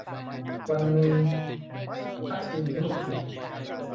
วันหนึ่งพระจึงมะหลึกตึก